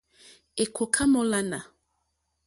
Èkòká mólánà.